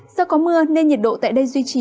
do có mưa nên nhiệt độ tại đây duy trì